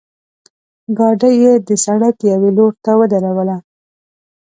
ګاډۍ یې د سړک یوې لورته ودروله.